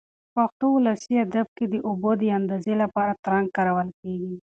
په پښتو ولسي ادب کې د اوبو د اندازې لپاره ترنګ کارول کېږي.